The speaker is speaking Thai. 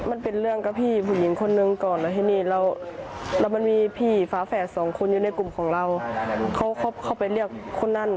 โอ้โหเหตุผลคืออะไรฮะแค่มองหน้ากัน